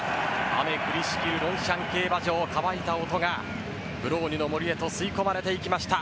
雨降りしきるロンシャン競馬場乾いた音がブローニュの森へと吸い込まれていきました。